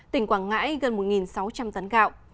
tỉnh quảng ngãi gần một sáu trăm linh tấn gạo